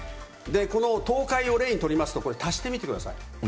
この東海を例に取りますと、これ、足してみてください。